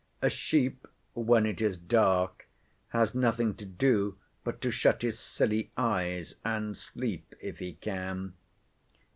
A sheep, when it is dark, has nothing to do but to shut his silly eyes, and sleep if he can.